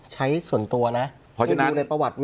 ใช้ส่วนตัวนะ